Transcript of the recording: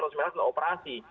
rp seratus untuk operasi